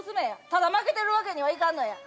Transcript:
ただ負けてるわけにはいかんのや。